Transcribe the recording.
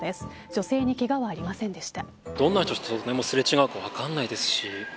女性にけがはありませんでした。